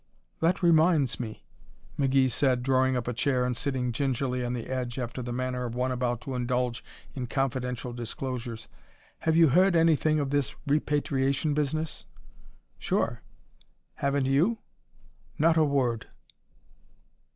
"That reminds me," McGee said, drawing up a chair and sitting gingerly on the edge after the manner of one about to indulge in confidential disclosures. "Have you heard anything of this repatriation business?" "Sure. Haven't you?" "Not a word."